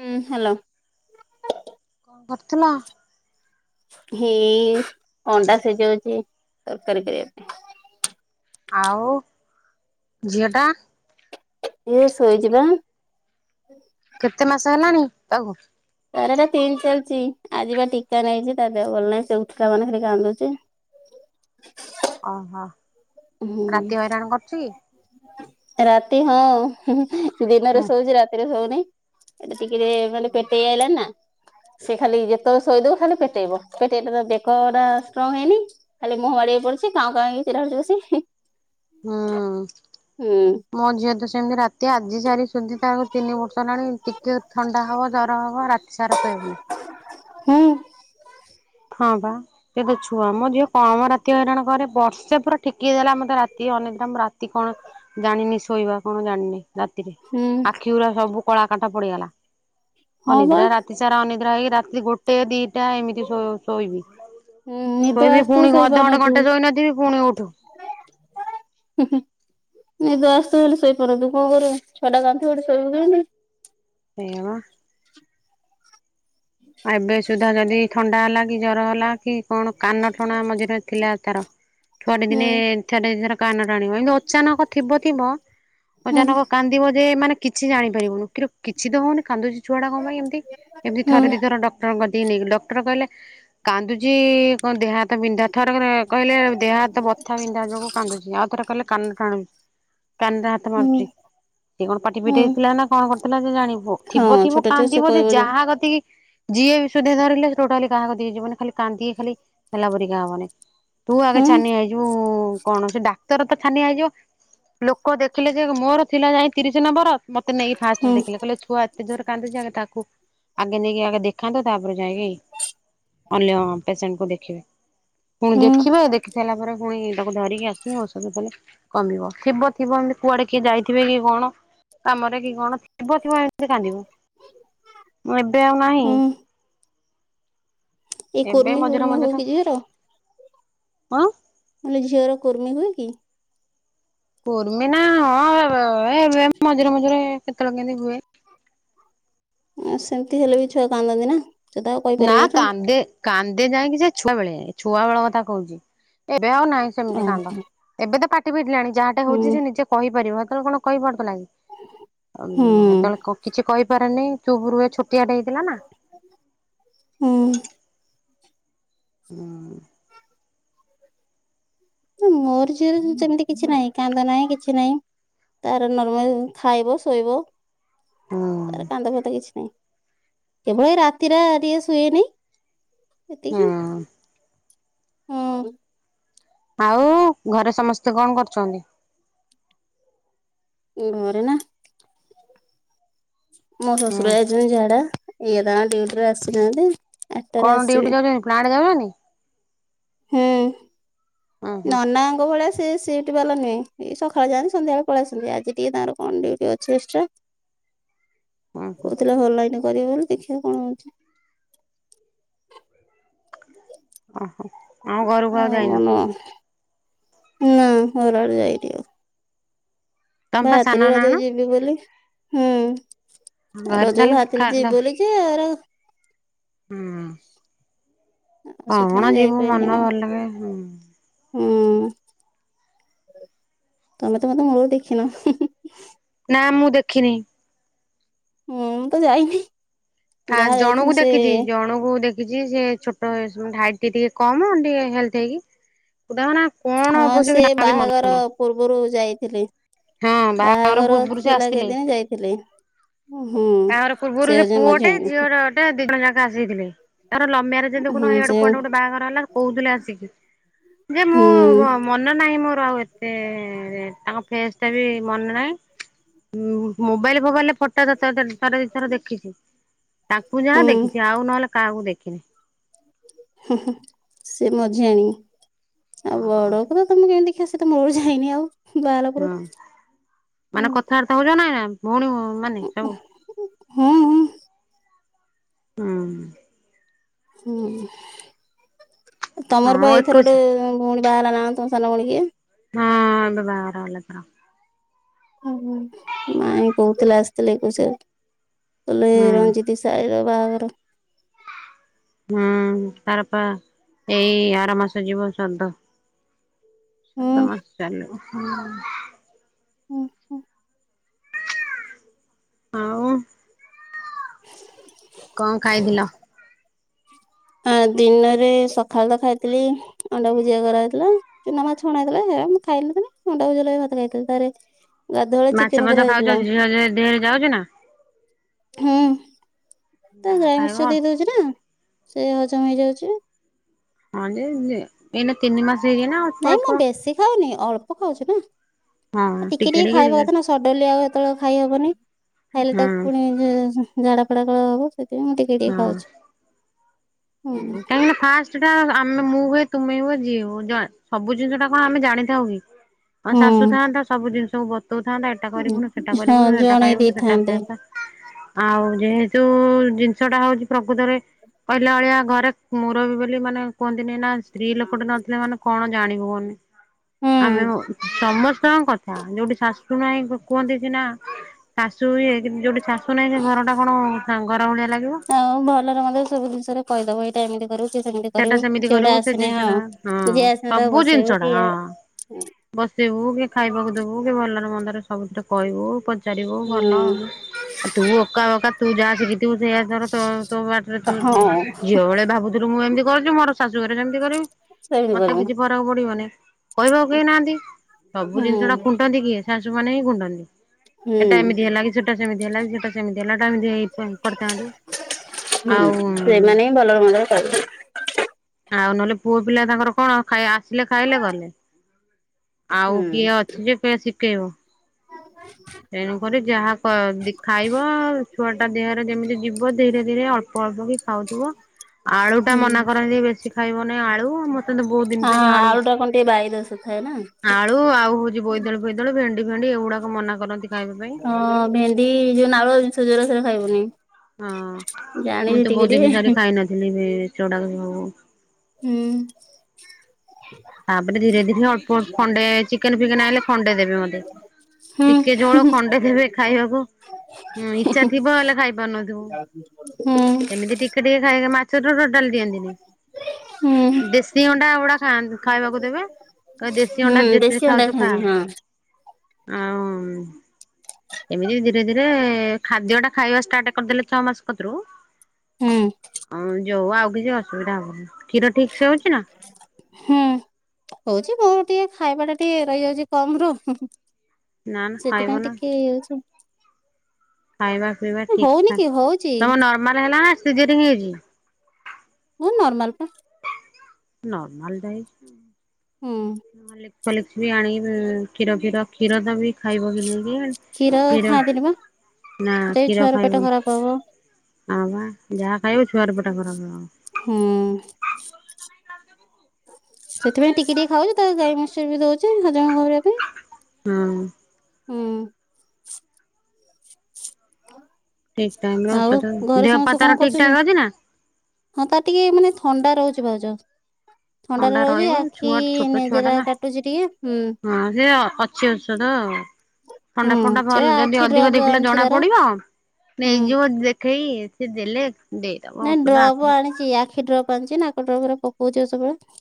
ହୁଁ ହ୍ୟାଲୋ କରୁଥିଲ ହେ ଅଣ୍ଡା ସିଜଉଛି ତରକାରୀ କରିବା ପାଇଁ ଆଉ ଝିଅ ଟା ଇଏ ଶୋଇଚିବା କେତେ ମାସ ହେଲାଣି ତାକୁ ତାର ଏଟା ତିନ ଚାଲିଛି ଆଜି ବା ଟୀକା ନେଇଛିି ତା ଦେହ ଭଲ ନାହିଁ ସେ ଉଠଲା ମାନେ ଖାଲି କାନ୍ଦୁଛି ଓହୋ ହୁଁ ରାତି ହଇରାଣ କରୁଛି ରାତି ହଁ ଦିନରେ ହୁଁ ଶଉଛି ରାତିରେ ଶଉନି ଏବେ ଟିକେ ଟିକେ ମାନେ ପେଟେଇ ଆଇଲାନା ସେ ଖାଲି ଯେତେବେଳେ ଶୋଇଦବ ଖାଲି ପେଟେଇବ ପେଟେଇଲେ ତ ବେକ ଟା ଷ୍ଟ୍ରଙ୍ଗ ହେଇନି ଖାଲି ମୁହଁ ମାଡି ପଡୁଛି କାଁ କାଁ [unintelligible] ଚାରୁଛି ବସି ହଁ ହୁଁ ମୋ ଝିଅ ତ ସେମିତି ରାତି ଆଜି ସାରି ସୁଧି ତାଙ୍କୁ ତିନି ବର୍ଷ ହେଲାଣି ଟିକେ ଥଣ୍ଡା ହବ ଜର ହବ ରାତି ସାର ଶହ ହୁଁ ହଁ ବା ସେ ତ ଛୁଆ ମୋ ଝିଅ କମ ରାତି ହଇରାଣ କରେ ବର୍ଷେ ପୁରା ଠିକ ହେଇଗଲା ମତେ ରାତି ଅନେକ ଦିନ ରାତି କଣ ଜାଣିନି ଶୋଇବା କଣ ଜାଣିନି ରାତିରେ ହୁଁ ଆଖିଗୁରା ସବୁ କଳା କାଟ ପଡିଗଲା ହଁ ବା ଅନିଦ୍ରା ରାତି ରାତି ସାରା ଅନିଦ୍ରା ହେଇକି ରାତି ଗୋଟେ ଦିଟା ଏମିତି ଶୋଇବି ହୁଁ ନିଦ କୋଇବି ଆସୁଥିବ ପୁଣି ଅଧଘଣ୍ଟେ ଘଣ୍ଟେ ଶୋଇନଥିବି ପୁଣି ଉଠୁ ହ ନିଦ ଆଶୁଥିବ ହେଲେ ଶୋଇପାରୁନ ତୁ କଣ କରୁ ଛଟା କାନ୍ଦୁ ଥିବ ହେଠି ଶୋଇବୁ କିମିତି? ଏ ମ ଆଉ ଏବେ ସୁଧା ଯଦି ଥଣ୍ଡା ହେଲା କି ଜର ହେଲା କି କଣ କାନ ଟଣା ମଝିରେ ଥିଲା ତାର ଛୁଆଟି ହୁଁ ଦିନେ ଏଥରେ ଏର କାନ ଟ ଆଣିବ ଏ ଅଚାନକ ଥିବ ଥିବ ହୁଁ ଅଚାନକ କାନ୍ଦିବ ଯେ ମାନେ କିଛି ଜାଣିପାରିବୁନୁ କି କିଛି ତ ହଉନ କାନ୍ଦୁଛି ଛୁଆ ଟା କଣ ପାଇଁ ଏମିତି ଏମିତି ହୁଁ ଥରେ ଦିଥର ଡକ୍ଟରଙ୍କ ନେଇକି ଡକ୍ଟର କହିଲେ କାନ୍ଦୁଚୀ କ ଦେହ ବିନ୍ଧା ଥରେ କହିଲେ ଦେହ ହାତ ବଥା ବିନ୍ଧା ଯଗୁ କାନ୍ଦୁଚଛି ଆଉ ଥର କହିଲେ କାନ ଟାଣୁଛି କାନରେ ହାତ ହୁଁ ମାରୁଛି ସେ କଣ ପାଟି ହୁଁ ପିଟି ହେଇଥିଲା ନା କଣ କରିଥିଲା ସେ ଜାଣିବ ହଁ ଥିବ ଛୋଟ ଥିବ ଛୁଆ ସେ କାନ୍ଦିବ ଯେ କହିବ ଯାହା କତି କିି ଯିଏ ବି ସୁଦ୍ଧେ ଧରିଲେ ଟୋଟାଲି କାହାକୁ ଦେଇଯିବନି ଖା କାନ୍ଦି ଖାଲି ହେଲା ପରିକା ହବନି ତୁ ଆଗେ ହୁଁ ଛାନିଆ ହେଇଯିବୁ କଣ ସେ ଡାକ୍ତର ତ ଛାନିଆ ହେଇଯିବ ଲୋକ ଦେଖିଲେ ଯେ ମୋର ଥିଲା ଯାଇ ତିରିଶ ନମ୍ବର ମତେ ନେଇକ ଫାଷ୍ଟରେ ହୁଁ ଦେଖିଲ କହିଲେ ଛୁଆ ଏତେ ଜୋର କାନ୍ଦୁଛି ଆଗେ ତାକୁ ଆଗ ନେଇକି ଆଗେ ଦେ ଦେଖାନ୍ତୁ ତାପରେ ଯାଇକି ଅନ୍ୟ ପେସେଣ୍ଟ କ ଦେଖିବେ। ପୁଣି ହୁଁ ଦେଖିବା ଦେଖି ସାରିଲା ପରେ ପୁଣି ତାକୁ ଧରିକି ଆସ ଔଷୁଧ ଦେଲେ କମିବ ଥିବ ଥିବ ଏମିତି କୁଆଡେ କିଏ ଯାଇଥିବେ କି କଣ କାମରେ କି କଣ ଥିବ ଥିବ ଏମିତି କାନ୍ଦିବ ଏବେ ଆଉ ନାହିଁ। ହୁଁ ଏଇ ଏବେ କୁର୍ମି ମଝିରେ ଫୁର୍ମି ହୁଏ ମଝିରେ କି ଝିଅର? ହଁ ମାନେଲେ ଝିଅର କୁର୍ମୀ ହୁଏ କି? କୂର୍ମି ନା ହଁ ଏ ମଝିରେ ମଝିରେ କେତେବେଳେ କେମିତି ହୁଏ ଆ ସେମିତି ହେଲେ ବି ଛୁଆ କାନ୍ଦନ୍ତି ନା। ସେ ତ ଆଉ ନା କହିପାରିବେନି କାନ୍ଦେ। କାନ୍ଦେ ଯାଇକି ସେ ଛୁଆବେଳେ ଛୁଆ ବେଳ କଥା କହୁଛି, ଏବେ ଆଉ ନାହିଁ ସେମିତି କାନ୍ଦ। ଓହୋ ଏବେ ତ ପାଟି ଫିଟିଲାଣି ଯାହାଟେ ହଉଛି ହୁଁ ସେ ନିଜେ କହିପାରିବ, ହେତେଳେ କଣ କହିପାରୁଥିଲା କି ହୁଁ ଅ ହେତେବେଳେ କଣ କିଛି କହିପାରେନି। ଚୁପ୍ ରୁହେ ଛୋଟିଆଟେ ହେଇଥିଲାନା। ହୁଁ। ହୁଁ ଉଁ ମୋର ଝିଅରେ ସେମିତି କିଛି ନାହିଁ କାନ୍ଦ ନାହିଁ କିଛି ନାହିଁ। ତାର ନର୍ମାଲ ଖାଇବ ଶୋଇବ ହୁଁ ତାର କାନ୍ଦ ଫନ୍ଦ କିଛି ନାହିଁ। କେବଳ ଏଇ ରାତିଟା ଟିକେ ଶୁଏନି ଏତିକି। ହୁଁ ହୁଁ। ଆଉ ଘରେ ସମସ୍ତେ କଣ କରୁଛନ୍ତି? ଘରେ ନା। ମୋ ଶ୍ୱଶୁର ଯାଇଚନ୍ତି ଝାଡା ଇଏ ତାଙ୍କ ଡିଉଟିରୂ ଆସିନାହାନ୍ତି। ଆଠଟାରେ କଣ ଆସିବେ ଡିଉଟି ଯାଉଛନ୍ତି, ପ୍ଲାଣ୍ଟେ ଯାଉଛନ୍ତି? ହୁଁ। ଉଁ ହୁଁ ନନାଙ୍କ ଭଳିଆ ସେ ସେ [unintelligible] ବାଲା ନୁହେଁ, ଏ ସକାଳେ ଯାଆନ୍ତି ସନ୍ଧ୍ୟାବେଳେ ପଳେଇ ଆସନ୍ତି, ଆଜି ଟିକେ ତାଙ୍କର କଣ ଡିଉଟି ଅଛି ଏକ୍ସ୍ରା। ଉଁ ହୁଁ କହୁଥିଲେ ଭଲ ଲାଗିନେ କରିବେ ବୋଲି ଦେଖିଆ କଣ ହଉଛି। ଓହୋ। ଆମ ଘରକୁ ମୋ ଆଉ ଯାଇନ ମନ, ନା ଘରଆଡେ ଯାଇନି ଆଉ। ତମେ ପା ସାନ ଭାହାରିଥିଲି ନାଆଣ? ରଜକୁ ଯିବି ବୋଲି। ହୁଁ, ଘରେ ରଜକୁ ତାହେଲେ ଖା ଭାହାରିଥିଲି ଯିବି ବୋଲି [unintelligible] ହୁଁ। ସେଥିପାଇଁ କଣ ଯିବୁ ମନ ଯାଇପାରିଲିନି ଭଲ ଲାଗେ ହୁଁ। ହୁଁ। ତମେ ତ ମତେ ମୂଳରୁ ଦେଖିନ। ନା ମୁଁ ଦେଖିନି। ମୁଁ ତ ଯାଇନି। ଠା ଯାହା ଯାଇଥିଲି ଜଣଙ୍କୁ ଦେଖିଛି ସେ ଜଣଙ୍କୁ ଦେଖି ଛି। ସେ ଛୋଟ ହାଇଟ୍ ଟିକେ କମ ଟିକେ ହେଲ୍ଥ ହେଇକି। [unintelligible] କଣ ହଁ ହବ ସେ ବାହାଘର [unintelligible] ପୂର୍ବରୁ ଯାଇଥିଲି। ବାହାଘର ପୂର୍ବରୁ ସେ ଥିଲା ଆସିଥିଲେ କେତେଦିନ ଯାଇଥିଲି। ଉଁ ହୁଁ, ସେ ହଉଛି ମଝୀଆଣି। [unintelligible] ଦିଜଣ ଯାକ ଆସିଥିଲେ, ତାଙ୍କର ଲଭ ମ୍ୟା ଯେ ଦେଖୁନ ହୁଁ ଏଇଆଡେ ସେ କୁଆଡେ ହୁଁ ଗୋଟେ ବାହାଘର ହେଲା କହୁଥିଲେ ଆସିକି। ଯେ ମୁଁ ହୁଁ ବ ମନ ନାହିଁ ମୋର ଆଉ ଏତେ, ତାଙ୍କ ଫେସଟା ବି ମନେ ନାହିଁ। ହୁଁ। ମୋବାଇଲ ଫୋବାଇଲରେ ଫଟୋ ସେତେବଳେ ଥରେ ଥରେ ଦିଥର ଦେଖିଛି, ତାଙ୍କୁ ଯାହା ହୁଁ ଦେଖିଛି ଆଉ ନହେଲେ କାହାକୁ ଦେଖିନି। ହଁ ହୁଁ ସେ ମଝିଆଣି, ଆଉ ଓହୋ ବଡ ତାକୁ ତମେ କେମିତି ଦେଖିବ, ସେ ତ ମୁଳୁରୁ ଯାଇନି ଆଉ ବାହା ହେଲା ପରଠୁ ହୁଁ। କଥା ହଉଚନା ଭଉଣୀମାନେ ସବୁ? ହୁଁ ହୁଁ। ହୁଁ, ତମର ହଁ ବା ଏଇଥର ଏକୋଇଶି ଗୋଟେ ଭଉଣୀ ବାହାହେଲା ନା କଣ ତମ ସାନ ଭଉଣୀ କିଏ? ହଁ, ଏବେ ବାହାଘର ହେଲା ତାର। ଓହ ମାଇଁ କହୁଥିଲେ ଆସିଥିଲେ ଏକୋଇଶିଆକୁ, କହିଲେ ହୁଁ ରଞ୍ଜିତୀ ସାଳିର ବାହାଘର। ହୁଁ ତାର ପା ଏଇ ଆର ମାସ ଯିବ ଶ୍ରାଦ୍ଧ। ହୁଁ ସାତ ମାସ ଚାଲିବ ହୁଁ। ହୁଁ ହୁଁ। ଆଉ କଣ ଖାଇଥିଲ? ହଁ ଦିନରେ ସକାଳେ ତ ଖାଇଥିଲି ଅଣ୍ଡା ଭୁଜିଆ କରାହେଇଥିଲା। ଚୁନାମାଛ ଅଣା ହେଇଥିଲା। ସେଇଟା ମୁଁ ଖାଇଲିନି, ଅଣ୍ଡାଭୁଜିଆ ଭାତ ଖାଇଥିଲି ତାପରେ ମାଛ ପାଛ ଖାଉଛ, ଝି ଝିଅ ଦେହରେ ଯାଉଛୁ ନା? ହୁଁ, ତାର ଯାହା [unintelligible] ଖାଇବ। ମିର୍ଶ ଦେଇ ଦଉଛି। ନା ସେ ହଜମ ହେଇଯାଉଛି। ହଁ ଯେ ଯେ ଏଇନା ତିନି ମାସ ହେଉଛି ନା ଅଳ୍ପ ନାଇଁ ମୁଁ ଅଳ୍ପ। ବେଶୀ ଖାଉନି, ଅଳ୍ପ ଖାଉଛି ନା। ଏ ଟିକେ ଟିକେ ଖାଇବା କଥା ନା, ସଡନଲି ଆଉ ଏତେବେଳେ ଆଉ ଖାଇହବନି। ଖାଇଲେ ହଁ ତାକୁ ପୁଣି ଯେ ଝାଡା ଫଡା କଳା ହବ ସେଥିପାଇଁ ମୁଁ ଟିକେ ଟିକେ ଖାଉଛି। ହୁଁ ହଁ କାହିଁକି ନା ଫାଷ୍ଟ ସେଟା ଆମେ ମୁଁ ହୁଏ ତୁମେ ହୁଏ ଯିଏ ହୁଏ ସବୁ ଜିନିଷ ଟା କଣ ଆମେ ଜାଣିଥାଉ କି? ହଁ ଶାଶୁ ହୁଁ ଥାନ୍ତା ସବୁ ଜିନିଷକୁ ବତଉଥାନ୍ତା ଏଟା କରିବୁନୁ ସେଟା ହଁ କରିବୁନୁ ସେଟା ଜଣେଇ ଖାଇବୁନୁ ସେଟା ଦେଇଥାନ୍ତେ ଖାଆନ୍ତା ଆଉ ଯେହେତୁ ଜିନିଷ ଟା ହଉଛି ପ୍ରକୃତରେ ପିଲା ଭଳିଆ ଘରେ ମରବି ବୋଲି ମାନେ କୁହନ୍ତିନି ନା ସ୍ତ୍ରୀ ଲୋକଟେ ନଥିଲେ ମାନେ କଣ ଜାଣିବୁ କାହନି। ହୁଁ। ଆମେ ସମସ୍ତଙ୍କ କଥା ଯୋଉଠି ଶାଶୁ ନାହିଁ କୁହନ୍ତି ସିନା ଶାଶୁ ଇଏ କି ଯୋଉଠି ଶାଶୁ ନାହିଁ ସେ ଘର ଟା କଣ ସଂ ଘର ଭଳିଆ ଲାଗିବ। ହଁ ଭଲରେ ମନ୍ଧରେ ସବୁ ଜିରେ କହିଦବ ଏଇ। ଏମିତି କରିବୁ କି ସେମିତି ସେଟା କରିବୁ ସେମିତି କରିବୁ ଯଉଟା ସେ ଆସନେ ଜିନିଷ ହଁ ଟା ହଁ ଯିଏ ଆସନେ ତାକୁ ବସେଇବୁ କି ହଁ ବସେବୁ କି ଖାଇବାକୁ ଦବୁ କି ଭଲରେ ମନ୍ଦରେ ସବୁଥିରେ କହିବୁ। ପଚାରିବୁ ଭଲ ହୁଁ ଆଉନି ତୁ ଅକା ବକା ତୁ ଯାହା ଶିଖିଥିବୁ ସେଇଆ ଧର ତ ତୋ ବାଟରେ ତୁ ହଁ ଝିଅ ଭଳେ ଭାବୁଥିଲୁ ମୁଁ ଏମିତି କରିଥିଲି ମୋର ଶାଶୁଘରେ ଯେମିତି କରିବି। ସେମିତି ମତେ କରିବୁ। କିଛି ଫରକ୍ ପଡିବନି କହିବାକୁ କେହି ନାହାନ୍ତି ସବୁ ହୁଁ ଜିନିଷ ଟା ଖୁଣ୍ଟନ୍ତି କିଏ। ଶାଶୁ ମାନ ହିଁ ଖୁଣ୍ଟନ୍ତି। ହୁଁ ଏଟା ଏମିତି ହେଲା କି ସେଟା ସେମିତି ହେଲା କି ସେଟା ସେମିତି ହେଲା ଟା ଏମିତିଇ କରିଥାନ୍ତୁ ଆଉ ହୁଁ ସେଇମାନେ ଭଲରେ ମନ୍ଦରେ କହିବେ। ଆଉ ନହେଲେ ପୁଅ ପିଲା ତାଙ୍କର କଣ ଆସିଲେ ଖାଇ ଆସିଲେ ଗଲେ। ଆଉ କିଏ ହୁଁ। ଅଛି ଯେ ପ ଶିଖେଇବ। ତେଣୁକରି ଯାହା ଖାଇବ ଛୁଆ ଟା ଦେହରେ ଯେମିତି ଯିବ ଧୀରେ ଧୀରେ ଅଳ୍ପ ଅଳ୍ପ କି। ଖାଉଥିବା ଆଳୁ ଟା ମନା କରନ୍ତି ବେଶୀ ଖାଇବ ନାହିଁ ଆଳୁ ଆଉ ଏମିତି ବହୁତ ଆ ଜିନିଷ ସରେ ଆଳୁ ଆଳୁଟା କଣ ଟିକେ ବାୟୁ ଦୋଷ ଥାଏ ନା। ଆଳୁ ଆଉ ହଉଛି ବୋଇତଳୁ ଫଇତାଳୁ ଭେଣ୍ଡି ଭେଣ୍ଡି ଏଗୁଡାକ ମନା କରନ୍ତି ଖାଇବା ପାଇଁ। ହଁ ଭେଣ୍ଡି ଯୋଉ ନାଳଆ ଜିନିଷ ଯୋଉଟା ସେଗୁରା ଖାଇବୁନି। ହଁ ମୁଁ ଜାଣିଛି ତ ଟିକେ ବହୁଉତ ଦିନ ସାର ଟିକେ। ଖାଇନଥିଲି ବି ସେଉୁଡାକ ସବୁ। ହୁଁ ତାପରେ ଧୀରେ ଧୀରେ ଅଳ୍ପ ଅଳ୍ପ ଖଣ୍ଡେ ଚିକେନ ଫିକେନ୍ ହେଲେ ଖଣ୍ଡେ ଦେବେ ମୋତେ। ହୁଁ ଟିକେ ଜୋଳ ଖଣ୍ଡେ ଦେବେ ଖାଇବାକୁ ଇଛା ଥିବ ହେଲେ ଖାଇପାରୁ ନଥିବ। ହୁଁ ଏମିତି ଟିକେ ଟିକେ ଖାଇକ ମାଛତ ଟୋଟାଲ ଦିଅନ୍ତିନି। ହୁଁ। ଦେଶୀ ଅଣ୍ଡା ଗୁଡା ଖାଇବାକୁ ଦେବେ। କହିବେ ଦେଶୀ ହୁଁ ଅଣ୍ଡା ଯେତିି ଦେଶୀ ଅଣ୍ଡା ଖାଉଛୁ ଖା। ଖାଆନି ହଁ ଆଉ ଏମିତି ଧୀରେ ଧୀରେ ଖାଦ୍ୟ ଟା ଖାଇବା ଷ୍ଟାର୍ଟ କରିଦେଲେ ଛଅ ମାସ କଟିରୁ ହୁଁ ହଁ ଯୋଉ ଆଉ କିଛି ଅସୁବିଧା ହବନି। କ୍ଷୀର ଠିକ୍ ସେ ହଉଛି ନା? ହୁଁ ହଉଛି ମୁଁ ଟିକେ ଖାଇବା ଟା ଟିକେ ରହିଯାଉଛି କମ ରୁ ନା ନା ଖାଇବ ସେଥିପାଇଁ ନା ଟିକେ ଇଏ ହଉଛି। ଖାଇବା ହଉନି କି ହଉଚି। ମାନେ ହେଲା ନା ସିଯେରିଂ ହେଇଛି। ମୁଁ ନର୍ମାଲ ପାା ନର୍ମାଲ ଦାଇ ହୁଁ ହ ଲିପ ଲପ ବି ଆଣିବି କ୍ଷର କ୍ଷୀର କ୍ଷୀର ଦ ବି ଖାଇବ କି ନେଇକି କ୍ଷୀର ଖାଆନ୍ତିନି ବା ନା ସେଟା ବି କ୍ଷୀର ଛୁଆର ପେଟ ଖାଇବନି। ଖରାପ ହବ। ହଁ ବା ଯାହା ଖାଇବ ଛୁଆ ପଟା [unintelligible] ହୁଁ ସେଥିପାଇଁ ଟିକେ ଟିକେ ଖାଉଛି ତା ଗାଈ ମସର ବି ଦଉଛି ହଜମ କରିବା କରିବା ପାଇଁ। ହଁ ହୁଁ ଠିକ ଟାଇମ ରେ ଆଉ ଔଷଧ ଘରେ ଦେହ ପା ସମସ୍ତେ ତାର କଣ ଠିକ କରୁଛନ୍ତି? ଠାକ ଅଛି ନା? ହଁ ତା ଟିକେ ମାନେ ଥଣ୍ଡା ରହୁଛି ଭାଉଜ। ଥଣ୍ଡାାରେ ଥଣ୍ଡା ରହୁଛି ରହିବ ଆଖି ଛୁଆ ଛୋଟ ଛୁଆ ଟା ନିଜେରା ନା କାଟୁଚ ଟିକେ ହୁଁ କିଛି ଔଷଧ ଆଉ ହୁଁ ଥଣ୍ଡା ଫଣ୍ଡା ସେ ଭଲ ଯଦି ଆଖି ଅଧିକ ଡ୍ରପ ଦେଖିଲେ ଆଣିଛି ଜଣା ତାର। ପଡିବ ଆ ହୁଁ ନେଇଯିବ ଦେଖେଇ ସେ ଦେଲେ ଦେଇଦବ ନାଇଁ ଔଷଧ ଡ୍ରପ୍ ଆଖି ଆଣିଛି ଆଖି ଡ୍ରପ୍ ଆଣିଛି ନାକ ଡ୍ରପ୍ ରେ ପକଉଛି ସବୁବେଳେ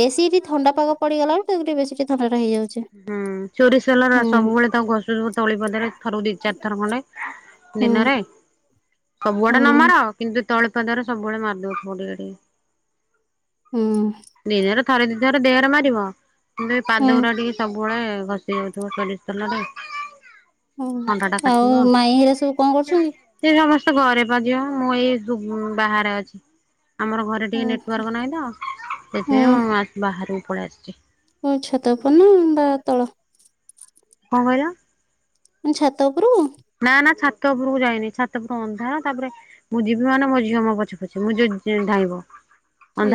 ବେଶୀଠି ଥଣ୍ଡା ପାଗ ପଡିଗଲାାରୁ ତକୁ ବେସୀ ଥଣ୍ଡା ହେଇଯାଉଛି ହୁଁ ଚୋରି ସେ ହେଲ ହୁଁ ସବୁବେଳେ ତାକୁ ଘଷୁଛ ତଳି ପଦରେ ଥରକୁ ଦି ଚାରି ଥର ଖଣ୍ଡେ। ହୁଁ ଦିନରେ ସବୁଆଆଡେ ହୁଁ ନ ମାର କିନ୍ତୁ ତଳିପଦାର ସବୁବେଡଳେ ମାରି ଦଉଥିବ ଟିକେ ହୁଁ ଟିକେ ଦିନରେ ଥରେ ଦି ଥର ଦେହରେ ମାରିବ କିନ୍ତୁ ଏଇ ହୁଁ ପାଦ ଗୁଡା ଟିକେ ସବୁବେଳେ ଘସି ଦଉଥିବ ସୋରିସ୍ ତେଲରେ। ଓ ଥଣ୍ଡା ଟା ଆଉ କାଟିବ। ମାଇଁ ହିରା ସବୁ କଣ କରୁଛନ୍ତି, ସେ ସମସ୍ତେ ଘରେ ପା ଝିଅ ମୁଁ ଏଇ ବାହାରେ ଅଛି ଆମର ଘରେ ଏ ହୁଁ ଟିକେ ନେଟୱାର୍କ ନାହିଁ ତ ସେଥିପାଇଁ ମୁଁ ଆ ବାହାରକୁ ପଳେଇ ଆସିଛି। ହଉ ଛାତ ଉପର ନା ବା ତଳ କଣ କହିଲ? ମୁଁ ଛାତ ଉପରୁକୁ ନା ନା ଛାତ ଉପରକୁ ଯାଇନି ଛାତ ଉପରୁ ଅନ୍ଧା ନା ତାପରେ ମୁଁ ଯିବି ମାନେ ମୋ ଝିଅ ମୋ ପଛେ ପଛେ ମୁଁ ଯୋଉ ଧାଇଁବ।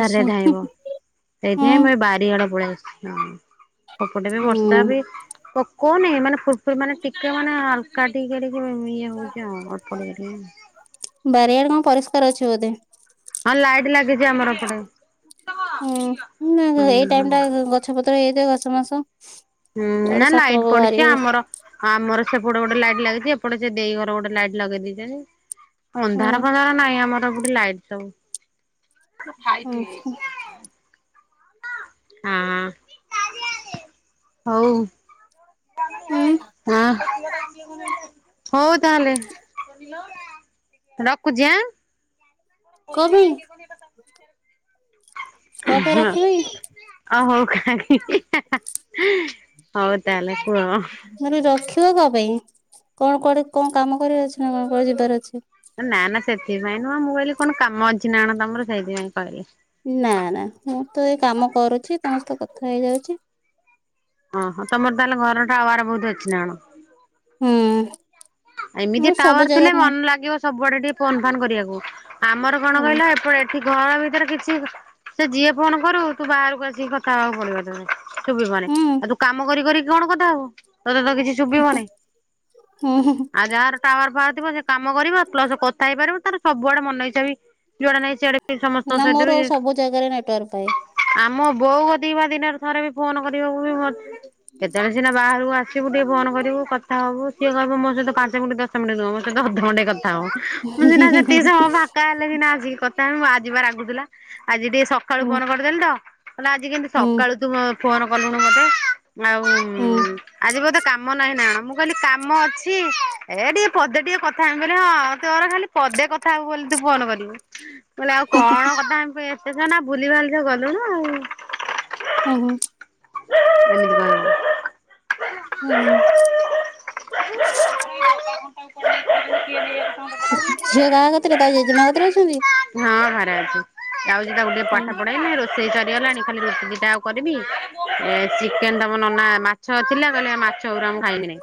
ଇସ ଧାଇଁବ ହୁଁ ସେଇଥିପାଇଁ ମୁଁ ଏ ବାରିଆଡ ପଳେଇ ଆସିଛି। ସେପଟେ ବି ବର୍ଷା ହୁଁ ବି ପକଉନି ମାନେ ଫୁର ଫୁ ମାନେ ଟିକେ ମାନେ ହଲକା ଟିକେ ଟିକେ ଇଏ ହଉଛି ଆଉ ଅଳ୍ପ ଟିକେ ଟିକେ। ବାରିଆଡେ କଣ ପରିଷ୍କାର ଅଛି ବୋଧେ। ହଁ ଲାଇଟ୍ ଲାଗିଛି ଆମର ଏପଟେ ହୁଁ ନା ଏଇ ହୁଁ। ଟାଇମ ଟା ଗଛ ପତ୍ର ହେଇଯାଇଯଏ ଗଛ ମାସ ହୁଁ ନା କୁଆଡେ ନା ସାପ ଲାଇଟ୍ ଫାପ ପଡିଛି ବାହାରିବେ। ଆମର ଆମର ସେପଟେ ଗୋଟେ ଲାଇଟ ଲାଗିଛି ଏଟ ସେ ଦେଇ ଘର ଗୋଟେ ଲାଇଟ ଲଗେଇ ଦେଇଛନ୍ତି। ହୁଁ ଅନ୍ଧାର ଫଧାର ନାହିଁ ଆମର ଗୋଟେ ଲାଇଟ ହୁଁ ସବୁ ହଁ ହଉ ହୁଁ ଆଁ ହଉ ତାହେଲେ ରଖୁଛି ଆଁ। କଣ ଖାଲି ଆଣ ପାଇଁ କି କଣ ପକେଇ ତାଙ୍କୁ କଣ ପାଇଁ ହଁ ରଖିବ କି? ଅ ହଉ ଖାକ ହା ହିଁ ହଉ ତାହଲେ କୁ ଘ ରଖିବ କଣ ପାଇଁ କଣ କୁଆଡେ କଣ କାମ କରିବାର ଅଛି ନା କଣ କୁଆଡେ ଯିବାର ଅଛି। ନା ନା ସେଥିପାଇଁ ନୁହଁ ମୁଁ କହିଲି କଣ କାମ ଅଛି ନା କଣ ତମର ସେଇଥିପାଇଁ କହିଲି। ନା ନା ମୁଁ ତ ଏଇ କାମ କରୁଛି ତମସ୍ତେ କଥା ହେଇଯାଉଛି। ଓହୋ ତମର ତାହେଲେ ଘର ଟା ଆୱାର ବହୁତ ଅଛି ନା କଣ। ହୁଁ ଏମିତି ମୁଁ ସବୁ ଟାୱାର ଥିଲେ ଜାଗାରେ ନେ ମନ ଲାଗିବ ସବୁଆଡେ ଟିକେ ଫୋନ୍ ଫନ୍ କରିବାକୁ ଆମର କଣ ହୁଁ କହିଲା ଏପଟ ଘର ଭିତରେ କିଛି ସେ ଯିଏ ଫୋନ କରୁ ତୁ ବାହାରକୁ ଆସିକି କଥା ହେବାକୁ ପଡିବ ତମ ଶୁଭିବନହିଁ ହୁଁ ଆଉ ତୁ କାମ କରି କରି କଣ କଥା ହବୁ ତୋତେ ତ କିଛି ଶୁଭିବନି। ଉହୁଁ ହୁଁ। ଆଉ ଯାହାର ଟାୱାର ପାଉଥିବ ସେ କାମ କରିବ ପ୍ଲସ କଥା ହେଇପାରିବ ତାର ସବୁଆଡେ ମନ ଇଛା ବି ଜୁଆଡେ ନାହିଁ ସିଆଡେ ସମସ୍ତଙ୍କ ନା ସହିତ ମୋର ବି ସବୁ ଜାଗାରେ ନେଟୱାର୍କ ପାଏ। ଆମ ବୋଉ କଥିବା ଦିନରେ ଥରେ ବି ଫୋନ କରିବାକୁ ବି ମ କେତେବେଳେ ସିନା ବାହାରକୁ ଆସିବୁ ଟିକେ ଫୋନ କରିବୁ କଥା ହବୁ ସିଏ କହିବ ମୋ ସହିତ ପାଞ୍ଚ ମିନଟ୍ ଦଶ ମିନଟ୍ ନୁହ ମୋ ସହିତ ଅଧଘଣ୍ଟେ କଥା ହବ ମୁଁ ସିନା ହିଁ ହିଁ ହିଁ ସେତିିକି ସମୟ ଫାଙ୍କା ହେଲେ ସିନା ଆସିକି କଥା ହେବି ମୁ ଆଜିିପରା ରାଗୁଥିଲା ଆଜି ଟିକେ ସକାଳୁ ହୁଁ ଫୋନ କରିଦେଲି ତ। ଆଲ ଆଜି କେମତି ହୁଁ ସକାଳୁ ତୁ ଫୋନ କଲୁଣି ମତେ। ଆଉ ଉମ ହୁଁ ଆଜି ବୋଧେ କାମ ନାହିଁ ନା କଣ ମୁଁ କହିଲି କାମ ଅଛି ଏ ଟିକେ ପଦେ ଟିକେ କଥା ହେବି ବୋଲି ହଁ ତୋର ଖାଲି ପଦେ କଥା ହବୁ ବୋଲି ତୁ ଫୋନ କରିବୁ। ବୋଇଲି ଆଉ କଣ କଥାହେବି ଏତେସମୟ ନା ଭୁଲି ଭାଲି ସବୁ ଗଲୁଣୁ ଆଉ। ହୁଁ ହୁ। ଏମିତି କଣ ଉହୁଁ ଝିଅ କାହା କତିରେ ତା ଜେଜେମା କତିରେ ଅଛନ୍ତି ହଁ ଘରେ ଅଛି। ଯାଉଛି ତାକୁ ଟିକେ ପାଠ ହୁଁ ପଢାଇବି ରୋଷେଇ ସରିଗଲାଣି ଖାଲି ରୁଟି ଦିଟା ଆଉ କରିବି। ଏ ଚିକେନ ତମ ନନା ମାଛ ଥିଲା କହିଲେ ମାଛ ଗୁରା ମୁ ଖାଇବିନି।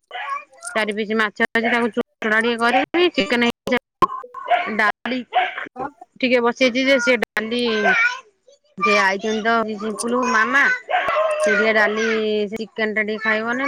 ଚାରି ପିସ୍ ମାଛ ଅଛି ତାକୁ ଚୁନଚୁନଟିକେ କରିବି। ଏଇ ଚିକେନ ହେଇଛି ଆଜି ଡାଲି ଠିକେ ବସ- ବସେଇଛି ଯେ ସେ ଡାଲି ଯେ ଆଇଛନ୍ତି ସିମ୍ପୁଲ ମାମା ସିଏ ଟିକେ ଡାଲି ଚିକେନ ଟା ଟିକେ ଖାଇବନି।